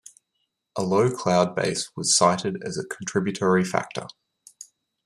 A low cloud base was cited as a contributory factor.